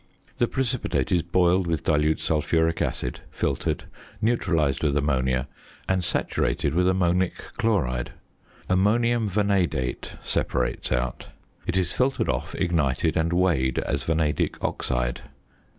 The precipitate is boiled with dilute sulphuric acid, filtered, neutralised with ammonia, and saturated with ammonic chloride. Ammonium vanadate separates out. It is filtered off, ignited, and weighed as vanadic oxide, V_O_, containing 56.18 per cent.